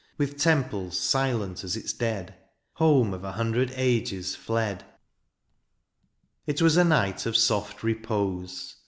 With temples silent as its dead, — Home of a hundred ages fled ! It was a night of soft repose.